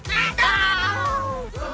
masuk pak eko